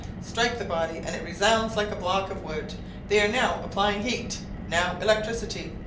Strike the body and it resounds like a block of wood. They are now applying heat; now electricity.